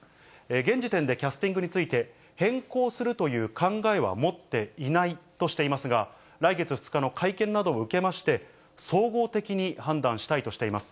現時点でキャスティングについて、変更するという考えは持っていないとしていますが、来月２日の会見などを受けまして、総合的に判断していきたいと話しています。